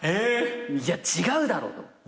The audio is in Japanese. いや違うだろと。